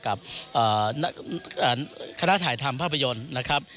กับคณะถ่ายทำภาพยนตร์นะครับ